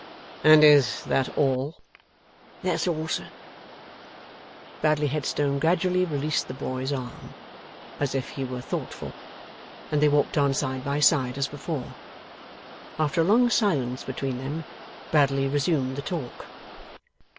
'And is that all?' 'That's all, sir.' Bradley Headstone gradually released the boy's arm, as if he were thoughtful, and they walked on side by side as before. After a long silence between them, Bradley resumed the talk.